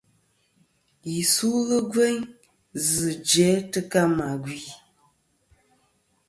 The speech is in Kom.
Yi sulɨ gveyn zɨ̀ jæ tɨ ka mà gvi.